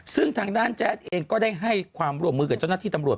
ซึ่งทางด้านแจ๊ดเองก็ได้ให้ความร่วมมือกับเจ้าหน้าที่ตำรวจ